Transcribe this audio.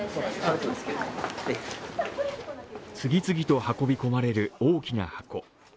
次々と運び込まれる大きな箱。